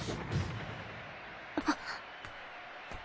あっ。